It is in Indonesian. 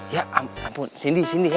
ya ampun sindi sindi